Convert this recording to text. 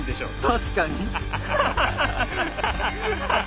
確かに！